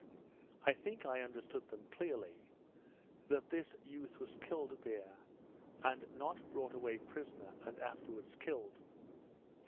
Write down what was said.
I think I understood them clearly, that this youth was killed there; and not brought away prisoner, and afterwards killed.